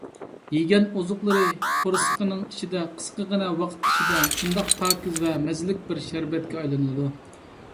يېگەن ئوزۇقلىرى قورسىقىنىڭ ئىچىدە قىسقىغىنە ۋاقىت ئىچىدە شۇنداق پاكىز ۋە مەززىلىك بىر شەربەتكە ئايلىنىدۇ.